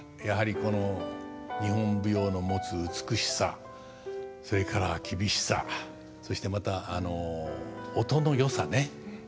やはりこの日本舞踊の持つ美しさそれから厳しさそしてまた音のよさね